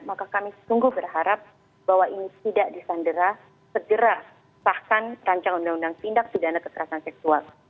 maka kami sungguh berharap bahwa ini tidak disandera segera sahkan rancangan uu tindak tidak dana kekerasan seksual